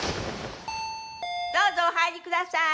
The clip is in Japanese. どうぞお入りください。